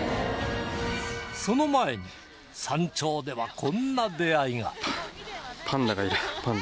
その前に山頂ではこんな出会いが